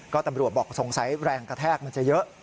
ก็ตำรวจบอกสงสัยแรงกระแทกมันจะเยอะ